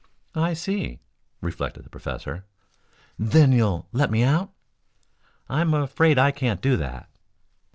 "I see," reflected the professor. "Then you'll let me out?" "I am afraid I can't do that."